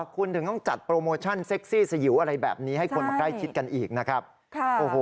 คุณถึงต้องจัดโปรโมชั่นเซ็กซี่สยิวอะไรแบบนี้ให้คนมาใกล้ชิดกันอีกนะครับ